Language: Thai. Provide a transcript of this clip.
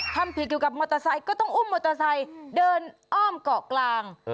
ทำผิดเกี่ยวกับมอเตอร์ไซค์ก็ต้องอุ้มมอเตอร์ไซค์เดินอ้อมเกาะกลาง